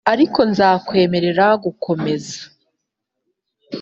ariko nzakwemerera gukomeza.